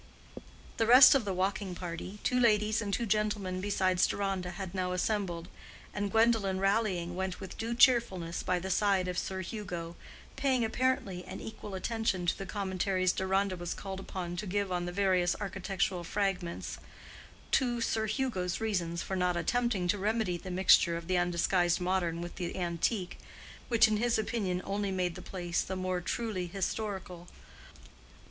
The rest of the walking party—two ladies and two gentlemen besides Deronda—had now assembled; and Gwendolen rallying, went with due cheerfulness by the side of Sir Hugo, paying apparently an equal attention to the commentaries Deronda was called upon to give on the various architectural fragments, to Sir Hugo's reasons for not attempting to remedy the mixture of the undisguised modern with the antique—which in his opinion only made the place the more truly historical.